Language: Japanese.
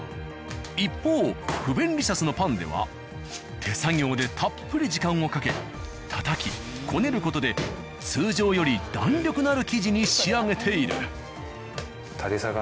一方不便利シャスのパンでは手作業でたっぷり時間をかけたたきこねる事で通常より弾力のある生地に仕上げている。